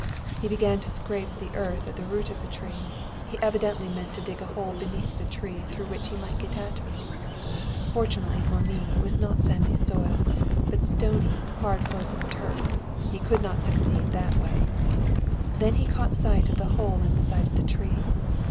"He began to scrape the earth at the root of the tree. He evidently meant to dig a hole beneath the tree through which he might get at me. Fortunately for me, it was not sandy soil, but stony, hard frozen turf. He could not succeed that way. "Then he caught sight of the hole in the side of the tree.